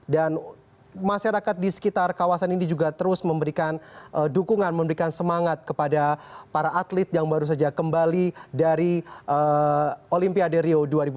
dan masyarakat di sekitar kawasan ini juga terus memberikan dukungan memberikan semangat kepada para atlet yang baru saja kembali dari olimpiade rio dua ribu enam belas